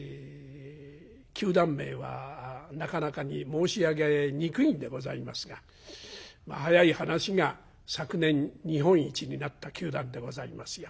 球団名はなかなかに申し上げにくいんでございますが早い話が昨年日本一になった球団でございますよ。